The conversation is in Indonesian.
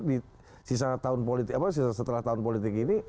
di sisa setelah tahun politik ini